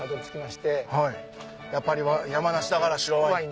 やっぱり山梨だから白ワイン。